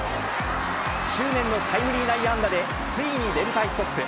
執念のタイムリー内野安打でついに連敗ストップ。